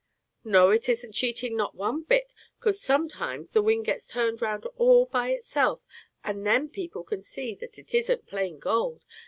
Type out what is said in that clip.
"No, it isn't cheating, not one bit; 'cause sometimes the wing gets turned round all by itself, and then people can see that it isn't plain gold.